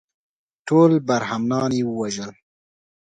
ټول برهمنان یې ووژل.